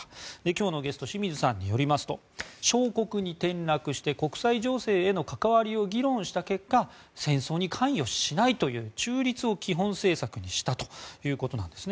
今日のゲストの清水さんによりますと小国に転落して国際情勢への関わりを議論した結果戦争に関与しないという中立を基本政策にしたということなんです。